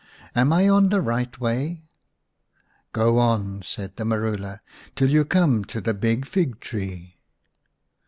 " Am I on the right way ?"" Go on," said the marula, " till you come to the big fig tree."